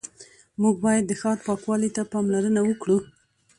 موږ باید د ښار پاکوالي ته پاملرنه وکړو